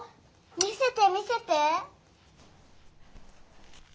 見せて見せて。